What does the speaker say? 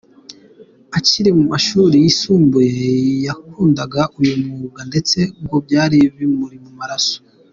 Akiri mu mashuri yisumbuye yakundaga uyu mwuga ndetse ngo byari bimuri mu maraso.